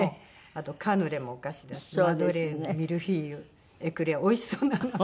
あとカヌレもお菓子だしマドレーヌミルフィーユエクレアおいしそうな名前。